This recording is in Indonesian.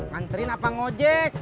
nganterin apa ngojek